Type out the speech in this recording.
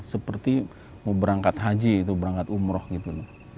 seperti mau berangkat haji itu berangkat umroh gitu